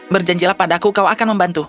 berjanjilah padaku kau akan membantu